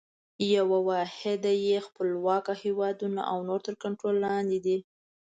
یوه واحده یې خپلواکه هیوادونه او نور تر کنټرول لاندي دي.